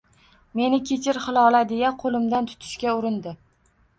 Meni kechir, Hilola, deya qo`limdan tutishga urindi